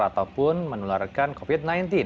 ataupun menularkan covid sembilan belas